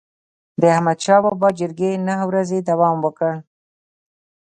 د احمدشاه بابا جرګي نه ورځي دوام وکړ.